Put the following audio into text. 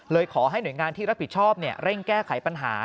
ขอให้หน่วยงานที่รับผิดชอบเร่งแก้ไขปัญหา